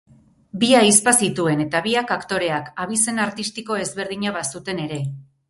Bi ahizpa zituen, eta biak aktoreak, abizen artistiko ezberdina bazuten ere.